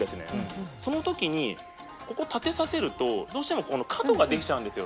その時にここを立てさせるとどうしても角ができちゃうんですよ。